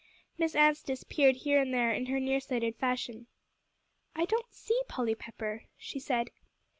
Miss Anstice peered here and there in her nearsighted fashion. "I don't see Polly Pepper," she said.